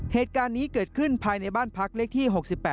เหตุการณ์นี้เกิดขึ้นภายในบ้านพักเลขที่๖๘